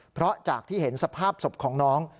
เพราะจากที่เห็นสภาพศพของน้อง